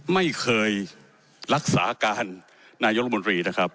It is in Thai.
ไม่เคยรักษาการนายกรมนตรีนะครับ